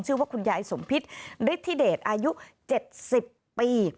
ชื่อว่าคุณยายสมพิษฤทธิเดชอายุ๗๐ปี